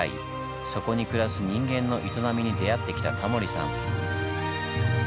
そこに暮らす人間の営みに出会ってきたタモリさん。